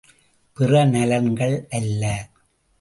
பிற நலன்கள் அல்ல.